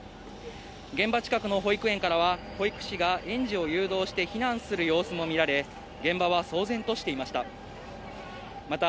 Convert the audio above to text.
現場近くの保育園からは、保育士が園児を誘導して避難する様子も見られ、現場は騒然としていました。